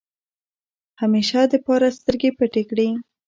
همېشه دپاره سترګې پټې کړې ۔